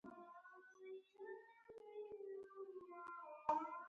داسې نظم رامنځته کړي